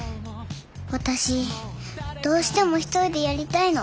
私どうしても１人でやりたいの。